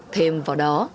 thêm vào đó